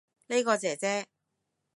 呢個姐姐